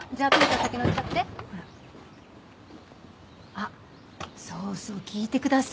あっそうそう聞いてくださいよ。